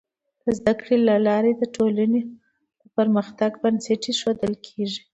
د زده کړې له لارې د ټولنې د پرمختګ بنسټ ایښودل کيږي.